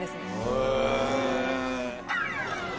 へえ。